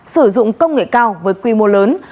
sử dụng công nghệ cao với quy mô lớn